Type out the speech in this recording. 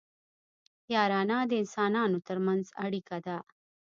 یارانه د انسانانو ترمنځ اړیکه ده